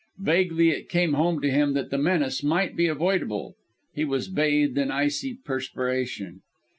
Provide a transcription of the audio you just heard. Vaguely it came home to him that the menace might be avoidable. He was bathed in icy perspiration.